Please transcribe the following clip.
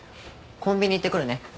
コンビニ行ってくるね。